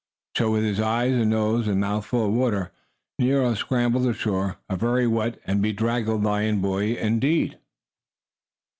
So, with his eyes and nose and mouth full of water, Nero scrambled to shore, a very wet and bedraggled lion boy indeed.